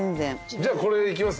じゃあこれでいきます？